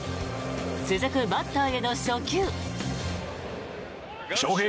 続くバッターへの初球。